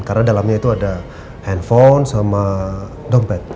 karena dalamnya itu ada handphone sama dompet